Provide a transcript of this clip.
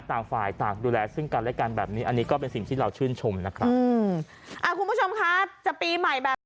ต่างฝ่ายต่างดูแลซึ่งการรายการแบบนี้อันนี้ก็เป็นสิ่งที่เราชื่นชมนะครับ